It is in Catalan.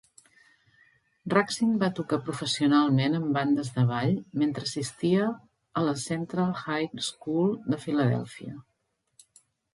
Raksin va tocar professionalment en bandes de ball mentre assistia a la Central High School de Filadèlfia.